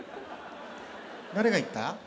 誰が言った。